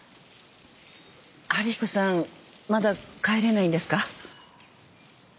春彦さんまだ帰れないんですか？